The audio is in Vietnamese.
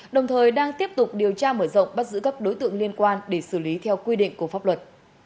đồng thời đang tiếp tục điều tra mở rộng bắt giữ các đối tượng liên quan để xử lý theo quy định của pháp luật